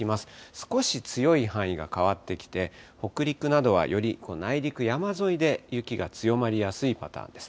少し強い範囲が変わってきて、北陸などはより内陸、山沿いで雪が強まりやすいパターンです。